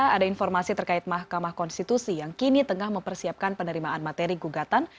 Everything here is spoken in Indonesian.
ada informasi terkait mahkamah konstitusi yang kini tengah mempersiapkan penerimaan materi gugatan